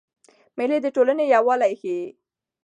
مېلې د ټولني یووالی ښيي.